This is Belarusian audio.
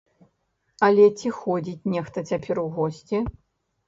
Але ці ходзіць нехта цяпер у госці?